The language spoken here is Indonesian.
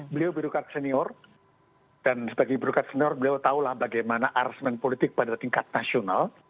beliau berukat senior dan sebagai berukat senior beliau tahu lah bagaimana arasmen politik pada tingkat nasional